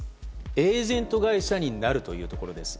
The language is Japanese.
エージェント会社になるというところです。